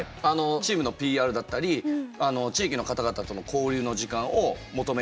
チームのＰＲだったり地域の方々との交流の時間を求める。